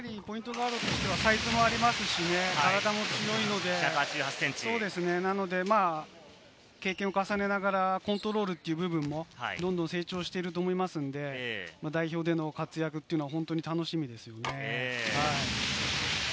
ガードとしてはサイズもありますし、体も強いので、経験を重ねながら、コントロールという部分もどんどん成長していると思いますんで、代表での活躍というのを本当に楽しみですね。